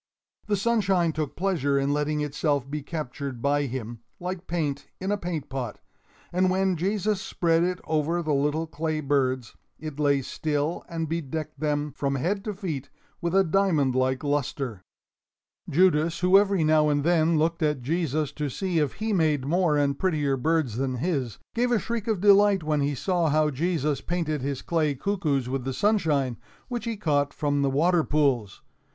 The sunshine took pleasure in letting itself be captured by him, like paint in a paint pot; and when Jesus spread it over the little clay birds, it lay still and bedecked them from head to feet with a diamond like luster. Judas, who every now and then looked at Jesus to see if he made more and prettier birds than his, gave a shriek of delight when he saw how Jesus painted his clay cuckoos with the sunshine, which he caught from the water pools.